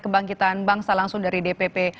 kebangkitan bangsa langsung dari dpp